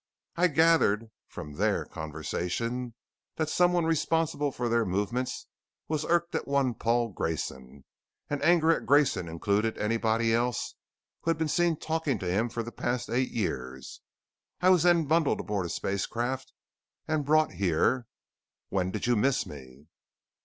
I gathered from their conversation that someone responsible for their movements was irked at one Paul Grayson, and anger at Grayson included anybody else who had been seen talking to him for the past eight years. I was then bundled aboard a spacecraft and brought here. When did you miss me?"